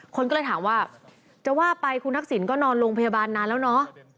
คนก็เลยถามว่าจะว่าไปคุณทักษิณก็นอนโรงพยาบาลนานแล้วเนอะ